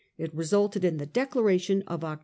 It resulted in the declaration of Oct.